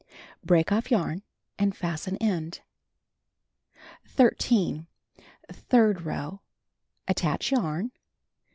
Break off yarn, and fasten end. 13. Third row: Attach yarn.